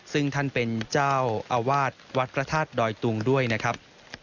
ซึ่งท่านเป็นเจ้าอาวาสวัดพระธาตุดอยตุงด้วยนะครับ